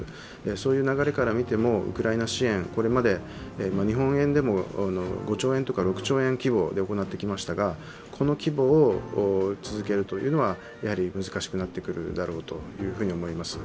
そういう流れから見ても、ウクライナ支援、これまで日本円でも５６兆円規模で行ってきましたが、この規模を続けるというのは難しくなってくるだろうと思います。